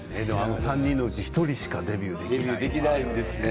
３人のうち１人しかデビューできない。